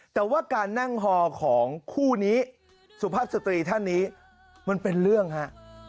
แต่ว่าการนั่งฮอของคู่นี้สุภาพสตรีท่านนี้มันเป็นเรื่องฮะ